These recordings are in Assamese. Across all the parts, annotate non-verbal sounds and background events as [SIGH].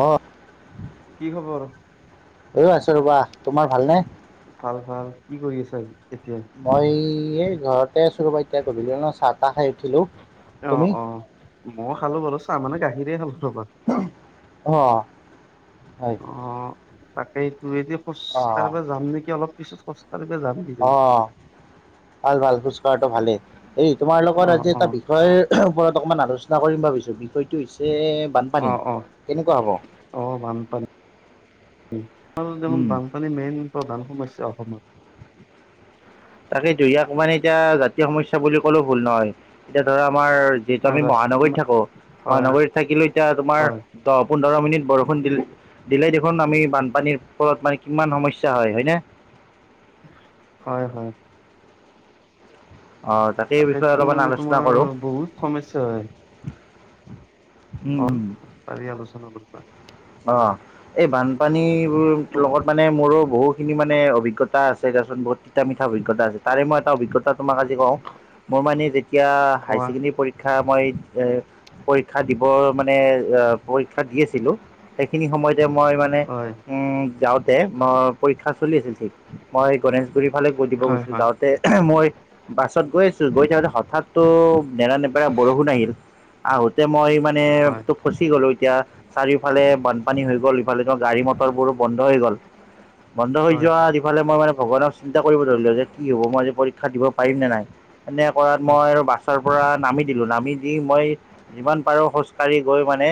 অ কি খবৰ? এই আছো ৰবা তোমাৰ ভালনে ভাল ভাল কি কৰি আছা আজি মই এই ঘৰতে আছো ৰ'বা এতিয়া গধূলি হল নহয় চাহ তাহ খাই উঠিলো অ তুমি অ মই খালো বাৰু চাহ মানে গাখীৰে খালো ৰবা অ হয় অ' তাকে তো এতিয়া খোজ অ কাঢ়ব যাম নেকি অলপ পিছত খচ কলিলে যাবে অ কিজানি ভাল ভাল খোজ কঢ়া ভালেই এই তোমাৰ লগত অ' আজি এটা অ' বিষয় ওপৰত অকণমান আলোচনা কৰিম ভাবিছোঁ বিষয়টো হৈছে বানপানী অ' অ' কেনেকুৱা হ'ব আৰ দেখন উম বানপানীৰ মেইন প্ৰধান সমস্যা অসমত তাকেটো ইয়াক মানে এতিয়া জাতীয় সমস্যা বুলি ক'লেও ভুল নহয় এতিয়া ধৰা আমাৰ যিহেতু আহ আমি ৰাষ্ট মহানগৰীত থাকো হয় মহানগৰীত থাকিলো এতিয়া তোমাৰ হয় দহ পোন্ধৰ মিনিট বৰষুণ দিলে দিলে দেখোন আমি বানপানীৰ ওপৰত মানে কিমান সমস্যা হয় হয়নে হয় হয় অঁ তাকেই বিষয়ে তাকেটো অলপমান আলোচনা তোমাৰ কৰোঁ বহুত সমস্যা হয় উম অ উম পাৰি আলোচনা কৰিবা অ এই বানপানী তুম লগত মানে মোৰো বহুত বহুখিনি মানে অভিজ্ঞতা আছে দেচোন বহুত তিতা মিঠা অভিজ্ঞতা আছে। তাৰে মই এটা অভিজ্ঞতা তোমাক আজি কওঁ মোৰ মানে যেতিয়া হাই কোৱা ছেকেণ্ডেৰী পৰীক্ষা মই পৰীক্ষা দিব মানে পৰীক্ষা দি আছিলোঁ সেইখিনি সময়তে মই মানে হয় উম যাওঁতে মই পৰীক্ষা চলি আছিল ঠিক মই গনেেশগুৰি ফালে গৈ দিব হয় গৈছিলো হয় যাওঁতে মই বাছত গৈ আছো গৈ থাকোতে হঠাৎটো নেৰা নেপেৰা বৰষুণ আহিল আহোতে মই মানে হয় তটো ফচি গলো এতিয়া চাৰিও ফালে বানপানী হৈ গ'ল ইফালে ত গাড়ী মটৰ বোৰো বন্ধ হৈ গ'ল বন্ধ হৈ হয় যোৱা হয়। ইফালে মই মানে ভগৱানৰ চিন্তা কৰিব ধৰি লও যে কি হ'ব মই আজি পৰীক্ষা দিব পাৰিম নে নাই এনে কৰাত মই হয় আৰু বাছ পৰা নামি দিলোঁ নামি দি মই যিমান পাৰোঁ খোজকাঢ়ি গৈ মানে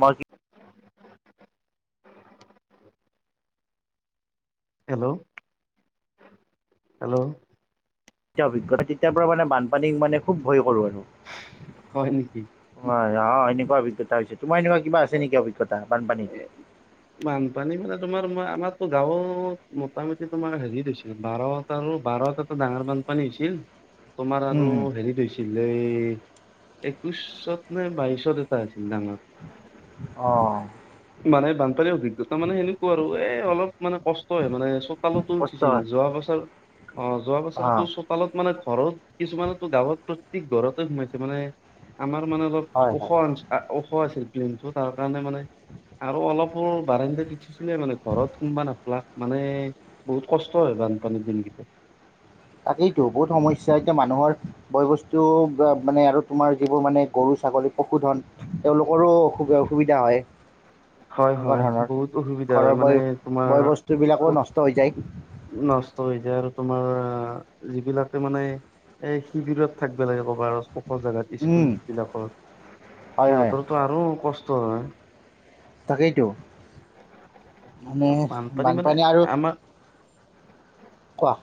মই হেল্ল' হেল্ল' তেতিয়া অভিজ্ঞতা তেতিয়াৰ পৰা মানে বানপানীক মানে খুব ভয় কৰোঁ আৰু হয় নেকি হয় অ এনেকুৱা অভিজ্ঞতা হৈছে তোমাৰ এনেকুৱা কিবা আছে নেকি অভিজ্ঞতা বানপানীত বানপানী মানে তোমাৰ মই আমাৰতো গাঁৱত মোটামুটি তোমাৰ হেৰিছিল বাৰটা আৰু বাৰৰ এটাটো ডাঙৰ বান্ধপানী হৈছিল তোমাৰ আৰু উম হেৰিত হৈছিল একৈশত নে বাইশত এটা আছিল ডাঙৰ অঁ মানে অভিজ্ঞতা মানে সেনেকুৱা আৰু এ অলপ মানে কষ্টে মানে চোতালতো কষ্ট উঠিছিল হয় যোৱা বাছৰ অ যোৱা বছৰটো অ তোৰ চোপালত মানে ঘৰত কিছুমানো গাঁৱত প্ৰত্যেক ঘৰতে সোমাইছে মানে আমাৰ মানে অলপ হয় ওখ হয় ওখ আছিল প্লেইনটো তাৰ কাৰণে মানে আৰু অলপ বাৰ উঠিছিলে মানে ঘৰত সোনমবা নাাপলাক মানে বহুত কষ্ট হয় বানপানীৰ দিনকেইটা। তাকেইতো বহুত সমস্া এতিয়া মানুহৰ বয় বস্তু মানে আৰু তোমাৰ যিবোৰ মানে গৰু ছাগলী পশুধন তেওঁলোকৰো অসুবিধা হয়। হয় এনেকুৱা হয় ধৰণৰ বহুত অসুবিধা হয় ঘৰৰ বয় মানে, তোমাৰ বয় বস্তুবিলাকো নষ্ট হৈ যায় নষ্ট হৈ যায় আৰু। তোমাৰ যিবিলাকে মানে এ শিবিৰত থাকিব লাগে কবাৰ ওখ জাগাত স্কুল উম, বিলাকত হয় হয় সিহঁতৰো আৰু কষ্ট হয় তাকেইতো মানে মানে বানপানী আৰু আমাৰ কোৱা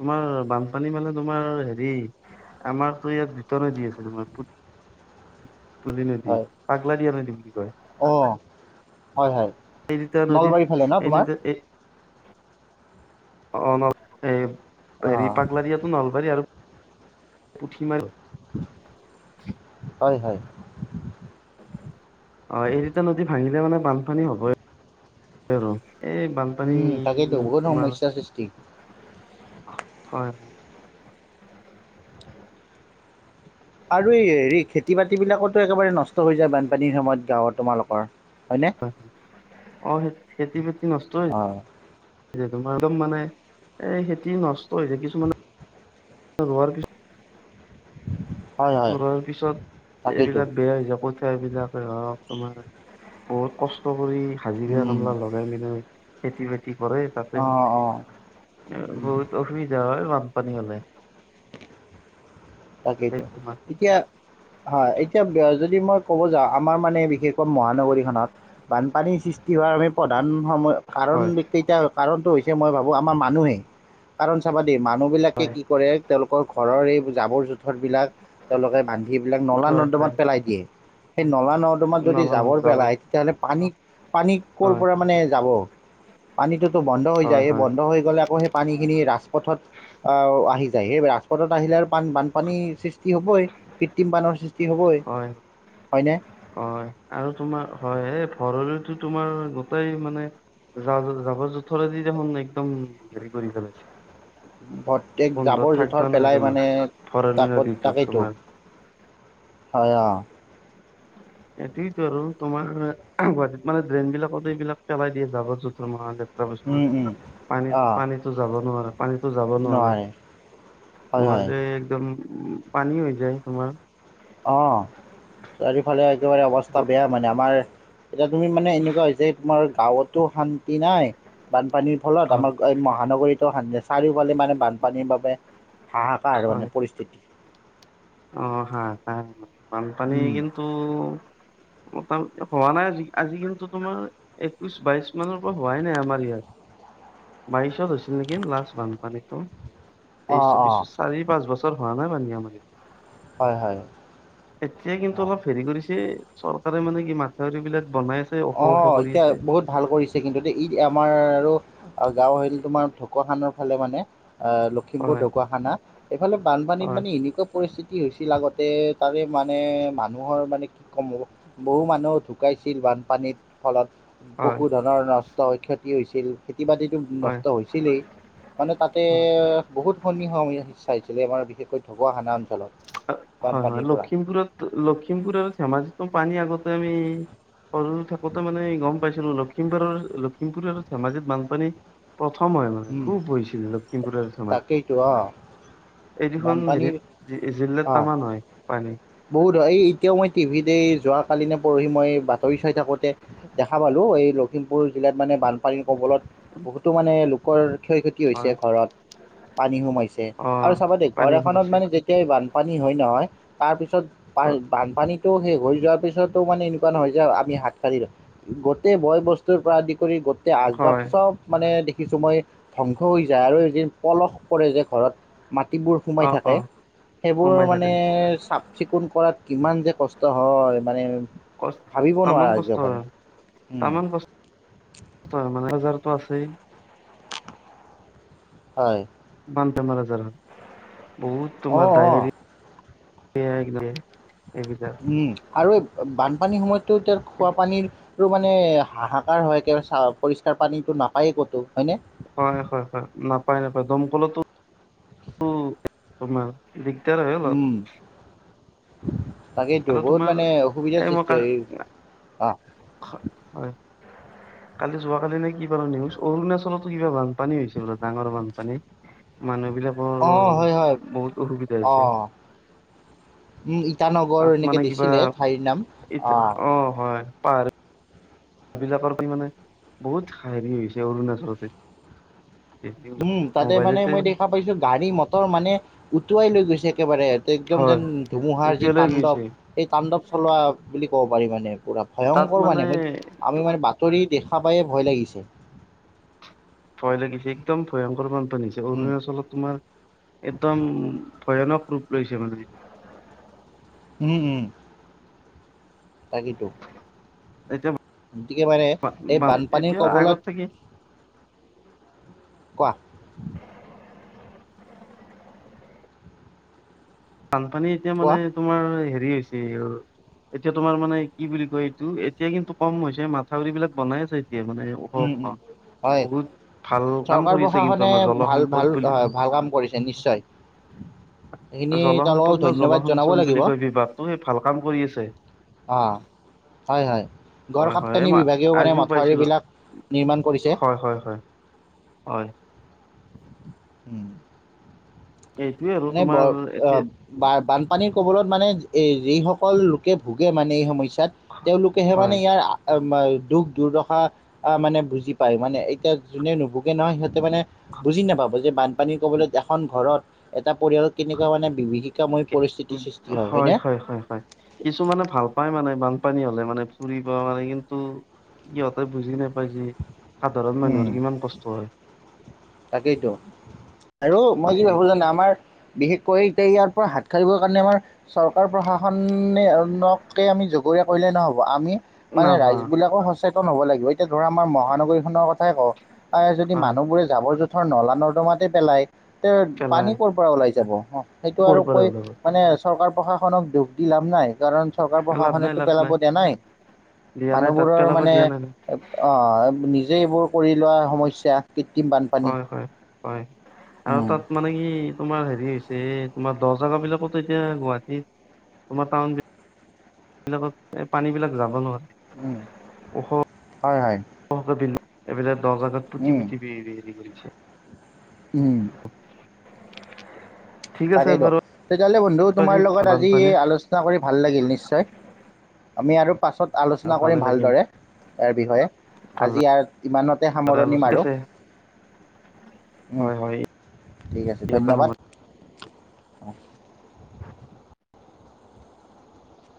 তোমাৰ বানপানী মানে তোমাৰ হেৰি আমাৰতো ইয়াত ভিতৰনেই দি আছে তোৰ তুলি নে দি পাগলা দিয়া নে দিম অ' হয় হয় এই দুটা নদীত নলবাৰীৰ ফালে ন তোমাৰ? এই অ' ন হেৰি অঁ পাগলাৰিয়াতটো নলবাৰী আৰু পুঠি মাৰ হয় হয় অ' এই দুত নদী ভাঙিলে মানে বানপানী হবই আৰু। এই বানপানী উম, তাকেইতো বহুত তোমাৰ সমস্যাৰ সৃষ্টি হয় হয়। আৰু এই হেৰি খেতি বাতি বিলাকত একেবাৰে নষ্ট হৈ যায় বানপানীৰ সময়ত গাঁৱৰ তোমালোকৰ, হয়নে? অ' খেতি বাতি নষ্ট অঁ েতোমাৰ একদম মানে, এ খেতি নষ্ট হৈছোয় কিছুমানে কিছ হয় হয় ৰোৱাৰ পিছত, তাকেইতো এইবিলাক বেয়া হৈ যাপত চঠাইবলাকে হওক তোমাৰ বহুত কষ্ট কৰি হাজিৰা উম কামলা লগাই পিনই খেতি বাতি কৰে, তাতে অ' অ' মানে উম বহুত অসুবিধা হয় মান ক্পনলে। তাকেইতো, এতিয়া হয় এতিয়া যদি মই ক'ব যাওঁ আমাৰ মানে বিশেষকৈ মহানগৰীখনত বানপানীৰ সৃষ্টি হোৱাৰ আমি প্ৰধান সময় হয় কাৰণকেইটা কাৰণ হৈছে মই ভাবো আমাৰ মানুহেই। কাৰণ চাবা দেই মানুহ বিলাকে হয় কি কৰে তেওঁলোকৰ ঘৰৰ এই জাবৰ জোথৰবিলাক তেওঁলোকে বান্ধিবিলাক নলা হয় নৰ্দমাত হয় পেলাই দিয়ে। সেই নলা নৰ্দমাত যদি নলা যাবৰ জাবৰ পেলায় তেতিয়াহ'লে পানী পানী ক'ৰ হয় পৰা মানে যাব। পানীটোতো বন্ধ হৈ হয় যায় স হয় বন্ধ হৈ গ'লে আকৌ পানীখিনি ৰাজপথত আহি যায় সেই ৰাজপথত আহিলে আৰু পান বানপানী হ'বই কৃত্ৰিম পণৰ সৃষ্টি হ'বই, হয় হয়নে? হয় আৰু তোমাৰ হয় এই ভৰলতো তোমাৰ গোটেই মানে জ জাবৰ জোথৰেদি দেখোন একদম, হেৰি কৰি প্ৰত্যেক পেলাইছে। জাবৰ কন্ধত জোঁথৰ থাকিবা ন, পেলাই তোমাৰ মানে ভৰালি তাকত নদীটো তাকেইতো তোমাৰ। [INAUDIBLE] হয় আ এইটোয়তো আৰু তোমাৰ গুৱাহাটীত মানে ড্ৰেইন বিলাকত এইবিলাক পেলাই দিয়ে যাব জোথৰ ম টা বস্তু, পানীত অঁ পানীতো যাব নোৱাৰা। পানীতো যাব নোৱাৰে, হয় হয় নোৱাৰিলে একদম উ পানী হৈ যায় তোমাৰ। অ' চাৰিওফালে একেবাৰে অৱস্থা বেয়া মানে আমাৰ এতিয়া তুমি মানে এনেকুৱা হৈছে তোমাৰ গাঁৱতো শান্তি নাই, বা বানপানীৰ ফলত হয় আমাৰ এই মহানগৰীতটো স চাৰিওফালে মানে বানপানীৰ বাবে হাহাকাৰ মানে পৰিস্থিতি। আহ হা বানপানী উম, কিন্ত মোটামুটি হোৱা নাই আজ আজি কিন্তো তোমাৰ একৈশ বাইশ মানৰ পৰা হোৱাই নাই আমাৰ ইয়াত। বাইশত হৈছিল। আছিল নেকি লাষ্ট বানপানীটো এই অ', চৌবি‌শ, অ', চাৰি পাঁচ বছৰ হোৱা নাই পানীটো। হয় হয়। এতিয়া কিন্তু অ'। অলপ হেৰি কৰিছে, চৰকাৰে মানে কি মাথাউৰি বিলাক বনাই আছে ওখ ওখ অ' কৰি এতিয়া আছে। বহুত ভাল কৰিছে কিন্তু এ ই আমাৰ আৰু আৰু গাঁৱ হৰিল তোমাৰ ঢুৱাখানৰ ফালে মানে লখিমপুৰ হয় ঢকুৱাখানা এইফালে বানপানীত হয় মানে এনেকুৱা পৰিস্থিতি কি হৈছিল আগতে তাৰে মানে মানুহৰ মানে কি ক'ম বহু মানুহ ঢুকাইছিল বান। পানীৰ ফলত হয় বহু ধৰণৰ নষ্ট ক্ষতি হৈছিল। ক্ষেতিবাদীটো হয় নষ্ট হৈছিলেই মানে তাতে হয়। বহুত সনি চাইছিলে আমাৰ বিশেষকৈ ঢকুৱা খানাত গলো। হয় হয়, লক্ষিমপুৰত লক্ষিমপুৰ আৰু ধেমাজিতো পানী আগতে আমি সৰু থাকোঁতে মানে গম পাইছিলোঁ, লখিমপুৰৰ লখিমপুৰ আৰু ধেমাজিত বানপানী প্ৰথম হয় মানে উম, খুব বহিছিল লখিমপুৰৰ ধেমাজি তাকেইতো অ'। এইকিখন হেৰিত জিলাত অ তামান হয় পানী বহুত হয়, এই এতিয়াও মই টিভিতে যোৱ কালি ন পৰহি মই চৰি চাই থাকোঁতে দেখা পালোঁ, এই লখিমপুৰ জিলাত মানে বানপানীৰ কবলত বহুতো মানে ক্ষ ক্ষতি হয় ঘৰত পানী সোমাইছে, অ আৰু চাব দেই ঘৰ পানী এখনত সোমাইছে মানে যেতিয়া বানপানী হয় নহয়, তাৰপিছত বানপানীত শেষ হৈ যোৱাৰ পিছতো মানে এনেকুৱা নহয় যে আমি হাত সাৰি লওঁ, গোটেই বয় বস্তুৰ পৰা আদি কৰি তেয়া আচবাব হয় চব মানে কিছু সময় ধ্বংস হৈ যায়, আৰু এদিন পলস পৰে যে ঘৰত মাটিবোৰ সোমাই অ থাকে। অ সেইবোৰ সোমাই থাকে মানে চাফ চিকুণ কৰাত কিমান যে কষ্ট হয় মানে কষ্ট ভাবিব তামান নোৱাৰা কষ্ট সেইকাৰণে। হয় তামান কষ্ট, মানে বজাৰতো আছেই। হয় মজ বহুত অ তোমাৰ অ ডায়ে উম আৰু এই বানপানীৰ সময়ততো এতিয়া খোৱাাপানীৰো মানে হাহাকাৰ হয়, কৰে পৰিষ্কাৰ পানীটো। নাপায়েই ক'তো হয়নে? হয় হয় হয় নাপায় নাপায় দমকলতো তোমাৰ দিগদাৰ হয় উম অলপ। তাকেইতো আৰু বহুত তোমাৰ মানে অসুবিধাৰ এই মই সৃষ্টি ক হয় অ হয়। কালি যোৱাকালি নে কি ব অৰুণাচলতো কিবা বানপানী হৈছে বোলে ডাঙৰ বানপানী। মানুহ অ হয় হয় এইবিলাকৰ বহুত অসুবিধা অ হৈছে। উম ইটানগৰ এনেকে মানে কিবা দিছিলে ঠাইৰ নাম ই অ হয়। সবিলাকৰ মানে বহুত হেৰি হৈছে অৰুণাচলতে উম তাতে মানে মোবাইলতে মই দেখা পাইছো গাড়ী মটৰ মানে উটুৱাই লৈ গৈছে। একেবাৰে একদম হয় যেন ধুমুহাৰ যি উটিয়ালৈ তাণ্ডৱ, গৈছে সেই তাণ্ডৱ চলোৱা বুলি ক'ব পাৰি মানে। পূৰা ভয়ংকৰ মানে আমি মানে বাতৰি দেখা পায়ে ভয় লাগিছে। ভয় লাগিছে একদম ভয়ংকৰ মান। উম, অৰুণাচলত তোমাৰ একদম ভয়ানক। গুপ লৈছে মানে। উম উম। তাকেইটো। এতিয়া গতিকে মানে এই বানপানীৰ এতিয়া আগত থাকি কবলত কোৱা। [INAUDIBLE] বানপানী এতিয়া মানে কোৱা তোমাৰ হেৰি হৈছে এতিয়া তোমাৰ মানে কি বুলি কয় এইটো এতিয়া কিন্তু কম হৈছে মথাউৰি বিলাক বনাই আছে। ে মানে অ'। উম, উম, হয় বহুত ভাল কাম চৰকাৰ কৰিছে কিন্তু প্ৰশাসনে আমাৰ ভাল ভাল জলসম্পদ বুলি হয় ভাল কাম কৰিছে নিশ্চয় সেইখিনি তেওঁলোকক জলসম্পদ ন ধন্যবাদ জনাব জলসিঞ্চন লাগিব বুলি কয়‌ বিভাগটো সেই ভাল কাম কৰি আছে। অঁ, হয়, হয়। গড় হয় হয় এই কাপ্তানি মই বিভাগেও মানে আজিও পাইছিলো মথাউৰিবিলাক নিৰ্মাণ কৰিছে। হয় হয় হয় হয়। উম। এইটোয়ে আৰু মানে ব তোমাৰ এতিয়া ব বান পানীৰ কবলত মানে এ যিসকল লোকে ভোগে মানে এই সমস্যা ত, তেওঁলোকেহে হয় ইয়াৰ দুখ দুৰ্দশা আহ মানে বুজি পায় মানে এতিয়া যোনে নুবোগে নহয় সিহঁত মানে বুজি নাপাব যে বানপানী ক'বলৈ এখন ঘৰত এটা পৰিয়ালত কেনেকুৱা মানে বিভীষিকাময় পৰিস্থিতিৰ সৃষ্টি হয় হয়নে কিছুমানে ভাল পাই। মানে বানপানী হলে মানে ফুৰিব মানে কিন্তু সিহঁতে বুজি নাপাই যি সাধাৰণ উম মানুহৰ কিমান কষ্ট হয়। তাকেইতো, আৰু মই কি এই ভাবো জানে আমাৰ বিশেষকৈ এতিয়া ইয়াৰ পৰা হাত খাৰিবৰ কাৰণে আমাৰ চৰকাৰ প্ৰশাসনেকে আমি জগৰীয়া কৰিলেই নহ'ব আমি মানে নাভা ৰাইজ বিলাকো সচেতন হ'ব লাগে। এতিয়া ধৰা আমাৰ মহানগৰীখনৰ কথাই কওঁ যদি হয় মানুহবোৰে কগৰ জোঁথৰ নলা নৰ্দমাতে পেলাই। তে পেলাই পানী কৰ'ৰ পৰা ওলাই যাব সেইটো কৰ আৰু পৰা কৈ, ওলাব মানে চৰকাৰ প্ৰশাসনক দোষ দি লাভ নাই কাৰণ চৰকাৰ লাভ নাই প্ৰশাসনেতো লাভ পেলাব দিয় নাই। দিয়া নাই তাত মানুহবোৰৰ পেলাব মানে দিয়া নাই ন আহ নিজে এইবোৰ কৰি লোৱা সমস্যা বানপানী হয় হয় হয় আৰু উম তাত মানে কি তোমাৰ হেৰি হৈছে তোমাৰ দহ জাগ বিলাকতো এতিয়া গুৱাহাটীত, তোমাৰ টাউন এইবলাকত এই পানী বিলাক যাব নোৱাৰে। উম, ওখ হয় হয়। এইবিলাক দহজগাত পুতি উম, পুতি হেৰি কৰিছে। উম। ঠিক আছে তাকেই দ, বাৰু তেতিয়াহ'লে বন্ধু আজি তোমাৰ লগত আজি বানপানীৰ আলোচনা কৰি ভাল লাগিল নিশ্চয় [INAUDIBLE] আমি আৰু পাছত আলোচনা ভালে কৰিম লাগিল ভালদৰে, ইয়াৰ বিষয়ে। আজি ভালদৰে ইয় ইমানতে সামৰণি আলোচনা ম ঠিক আৰু আছে উম, হয় হয় ঠিক আছে ইয়াতে সামৰিছোঁ ধন্যবাদ। অ'।